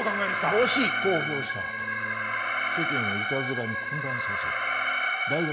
もし公表したら世間をいたずらに混乱させ大学